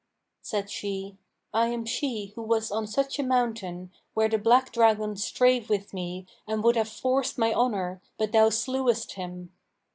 Said she, 'I am she who was on such a mountain, where the black dragon strave with me and would have forced my honour, but thou slewest him.'